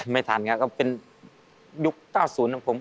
ไม่ทันครับก็เป็นยุคเก้าศูนย์ของผม